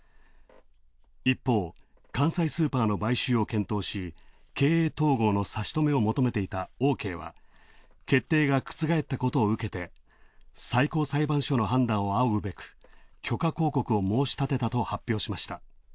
一方、関西スーパーの買収を検討し、経営統合の差し止めを求めていたオーケーは、決定が覆ったことを受けて最高裁判所の判断を仰ぐべく、許可抗告を申し立てたと発表しました。